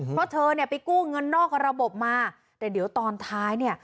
เพราะเธอเนี่ยไปกู้เงินนอกระบบมาแต่เดี๋ยวตอนท้ายเนี่ย